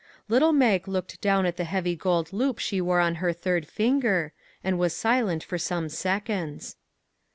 " Little Mag looked down at the heavy gold loop she wore on her third finger, and was silent for some seconds.